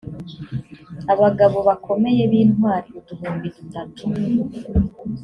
abagabo bakomeye b’intwari uduhumbi dutatu